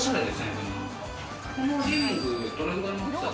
このリビング、どれくらいの大きさ？